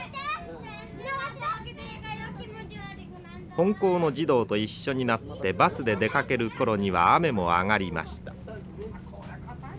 本校の児童と一緒になってバスで出かける頃には雨も上がりました。